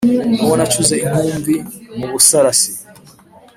N'uwo nacuze inkumbi mu Busarasi,